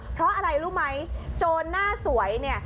เพราะอะไรรู้ไหมโจรหน้าสวยเนี่ย